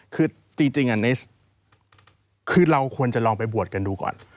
คือจริงคือเราควรจะลองไปบวชกันดูก่อน